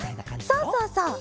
そうそうそう。